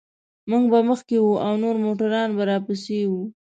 موږ به مخکې وو او نور موټران به راپسې و.